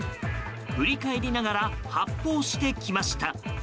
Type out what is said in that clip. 振り返りながら発砲してきました。